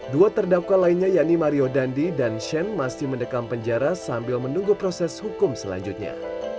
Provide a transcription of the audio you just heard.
dua terdakwa lainnya yakni mario dandi dan shane masih mendekam penjara sambil menunggu proses hukum selanjutnya